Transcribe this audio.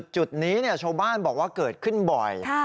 จุดนี้ชาวบ้านบอกว่าเกิดขึ้นบ่อย